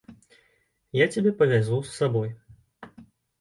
Я цябе павязу з сабой.